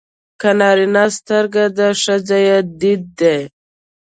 که نارینه سترګه ده ښځه يې دید دی.